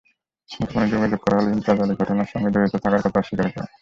মুঠোফোনে যোগাযোগ করা হলে ইন্তাজ আলী ঘটনার সঙ্গে জড়িত থাকার কথা অস্বীকার করেন।